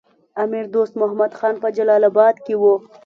امیر دوست محمد خان په جلال اباد کې وو.